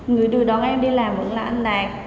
người đưa đón em đi làm vẫn là anh nạp